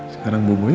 sekarang bubu ya